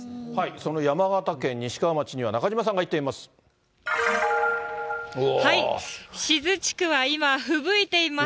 その山形県西川町には中島さんが行っています。